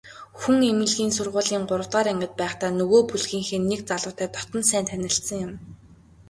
Хүн эмнэлгийн сургуулийн гуравдугаар ангид байхдаа нөгөө бүлгийнхээ нэг залуутай дотно сайн танилцсан юм.